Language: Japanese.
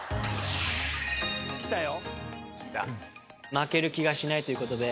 負ける気がしないということで。